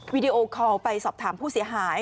วิดีโอคอลไปสอบถามผู้เสียหาย